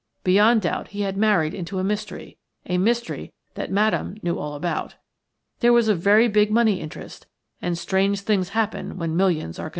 Beyond doubt he had married into a mystery – a mystery that Madame Sara knew all about. There was a very big money interest, and strange things happen when millions are concerned.